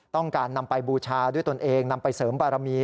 ต้องการนำไปบูชาด้วยตนเองนำไปเสริมบารมี